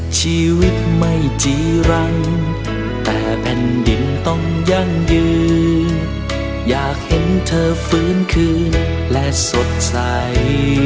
ชีวิตไม่จีรังแต่แผ่นดินต้องยั่งยืนอยากเห็นเธอฟื้นคืนและสดใส